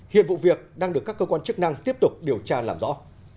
hiện vụ việc đang được các cơ quan chức năng tiếp tục điều tra làm rõ